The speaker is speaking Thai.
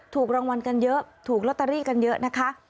ถูกรางวัลกันเยอะถูกลอตเตอรี่กันเยอะนะคะ